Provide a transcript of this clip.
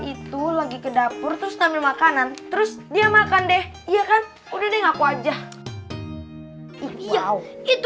itu lagi ke dapur terus sambil makanan terus dia makan deh iya kan udah deh ngaku aja iya itu